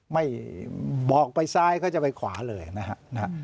ไม่บอกไปซ้ายเขาจะไปขวาเลยนะฮะ